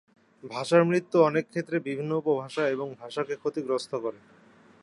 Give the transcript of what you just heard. ভাষার মৃত্যু অনেক ক্ষেত্রে বিভিন্ন উপভাষা এবং ভাষাকে ক্ষতিগ্রস্ত করে।